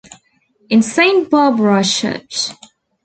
In Saint Barbara Church.